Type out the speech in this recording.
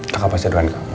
kakak pasti doain kamu